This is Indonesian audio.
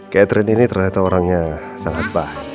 katerin ini ternyata orangnya sangat paham